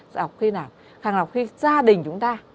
sàng lập khi nào sàng lập khi gia đình chúng ta